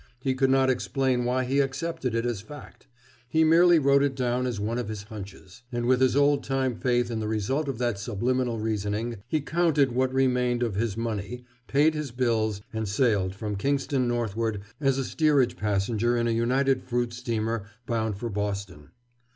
He could not explain why he accepted it as fact. He merely wrote it down as one of his hunches. And with his old time faith in the result of that subliminal reasoning, he counted what remained of his money, paid his bills, and sailed from Kingston northward as a steerage passenger in a United Fruit steamer bound for Boston.